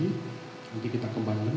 nanti kita kembangin